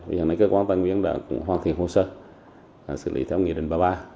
bây giờ cơ quan tân nguyên đã hoàn thiện hồ sơ xử lý theo nghị định ba mươi ba